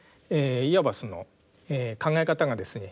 いわばその考え方がですね